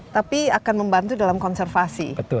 tapi akan membantu dalam konservasi